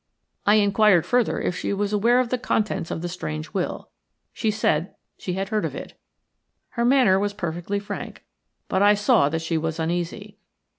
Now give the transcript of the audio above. I inquired further if she was aware of the contents of the strange will. She said she had heard of it. Her manner was perfectly frank, but I saw that she was uneasy.